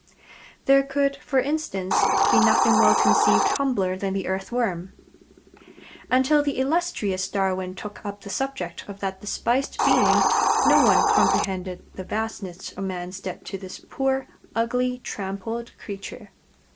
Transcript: There could, for instance, be nothing well conceived humbler than the Earthworm. Until the illustrious Darwin took up the subject of that despised being no one comprehended the vastness of man's debt to this poor, ugly, trampled creature.